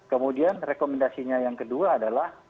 kemudian rekomendasinya yang kedua adalah